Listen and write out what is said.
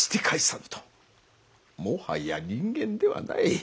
もはや人間ではない。